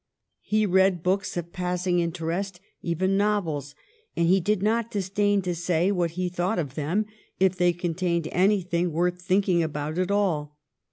He read books of passing interest, even novels, and he did not disdain to say what he thought of them if they contained anything worth thinking about at all.